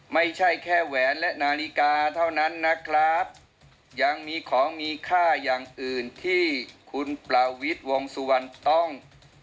ไม่ใช่แค่แหวนและนาฬิกาเท่านั้นนะครับยังมีของมีค่าอย่างอื่นที่คุณประวิทย์วงสุวรรณต้อง